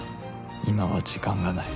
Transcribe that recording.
今は時間がない。